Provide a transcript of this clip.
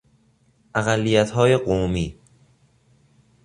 اقلیت های قومی